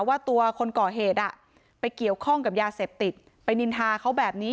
ว่าตัวคนก่อเหตุไปเกี่ยวข้องกับยาเสพติดไปนินทาเขาแบบนี้